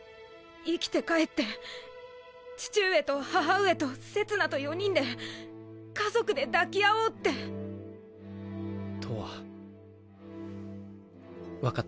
生きて帰って父上と母上とせつなと４人で家族で抱き合おうって。とわ。